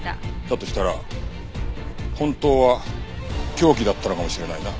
だとしたら本当は凶器だったのかもしれないな。